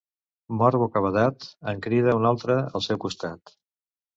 Mort bocabadat, en crida un altre al seu costat.